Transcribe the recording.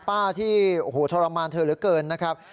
ป้าที่โอ้โหทรมานเธอเหลือเกินนะครับ